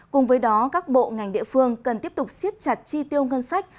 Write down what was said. cùng với đó các bộ ngành địa phương cần tiếp tục siết chặt chi tiêu ngân sách